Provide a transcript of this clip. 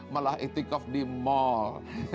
malah itikaf di mall